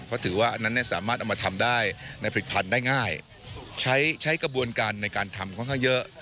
เพราะถือว่าอันนั้นเนี่ยสามารถเอามาทำได้ในผลิตภัณฑ์ได้ง่ายใช้ใช้กระบวนการในการทำค่อนข้างเยอะ